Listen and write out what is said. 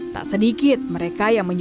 tak sedikit mereka yang menjual